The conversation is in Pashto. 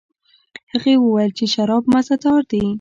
هغې وویل چې شراب مزه دار دي.